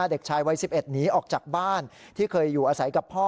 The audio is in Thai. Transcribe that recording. เด็กชายวัย๑๑หนีออกจากบ้านที่เคยอยู่อาศัยกับพ่อ